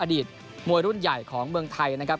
อดีตมวยรุ่นใหญ่ของเมืองไทยนะครับ